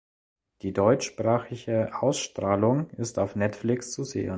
Die deutschsprachige Ausstrahlung ist auf Netflix zu sehen.